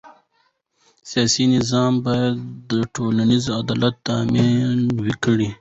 سیاسي نظام باید ټولنیز عدالت تأمین کړي